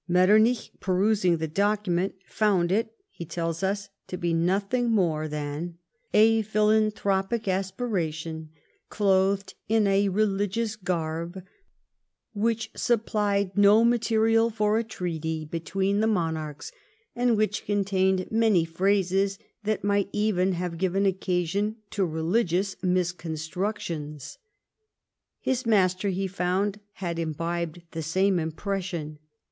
Metternich, perusing the document, found it, he tells us, to be nothing more than, GOVERNMENT BY BEPBESSION 143 " a iiliilanthropic aspiration clothed in a religious garb, which supplied no material for a treaty between the monarchs, and which contained many phrases that might even have given occasion to religious misconstructions." His master, he found, had imhibcd the same impression.